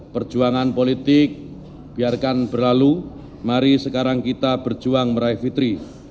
perjuangan politik biarkan berlalu mari sekarang kita berjuang meraih fitri